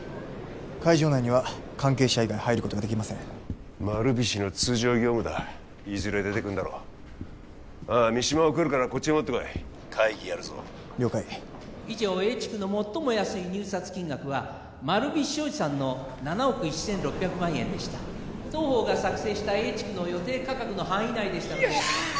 会場内には関係者以外入ることができません丸菱の通常業務だいずれ出てくんだろうああ三島を送るからこっち戻ってこい会議やるぞ了解以上Ａ地区の最も安い入札金額は丸菱商事さんの７億１６００万円でした当方が作成したＡ地区の予定価格の範囲内でしたのでよっしゃ！